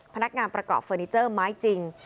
พนักงานประกอบเฟอร์นิเจอร์ไม้จริง